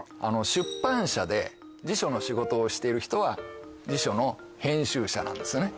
出版社で辞書の仕事をしてる人は辞書の編集者なんですよね